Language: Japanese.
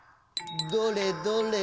どれどれ？